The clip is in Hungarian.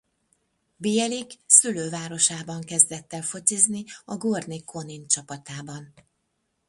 Bielik szülővárosában kezdett el focizni a Górnik Konin csapatában.